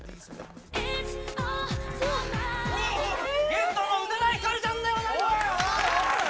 ゲストの宇多田ヒカルちゃんでございます。